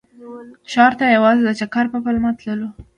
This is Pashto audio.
ښار ته یوازې د چکر په پلمه تللو.